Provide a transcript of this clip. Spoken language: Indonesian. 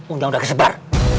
undang udah kesebar